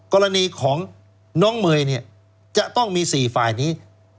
กรณีของน้องเมย์เนี่ยจะต้องมี๔ฝ่ายนี้